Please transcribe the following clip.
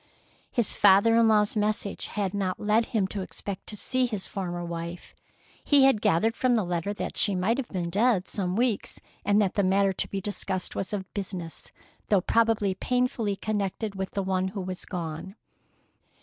His father in law's message had not led him to expect to see his former wife. He had gathered from the letter that she might have been dead some weeks, and that the matter to be discussed was of business, though probably painfully connected with the one who was gone.